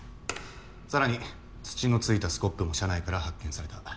さらに土のついたスコップも車内から発見された。